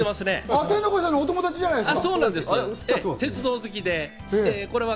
天の声さんのお友達じゃないですか？